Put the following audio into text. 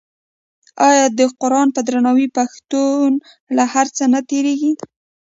آیا د قران په درناوي پښتون له هر څه نه تیریږي؟